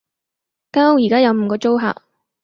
間屋而家有五個租客